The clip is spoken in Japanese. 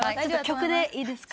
曲でいいですか？